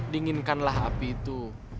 dinginkanlah api itu